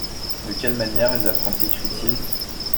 De quelle manière les apprentis crient-ils?